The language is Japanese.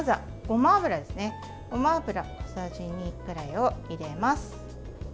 ごま油小さじ２くらいを入れます。